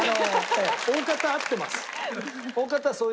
大方合ってます。